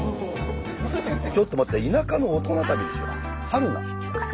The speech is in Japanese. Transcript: ちょっと待って「田舎のオトナ旅」でしょ。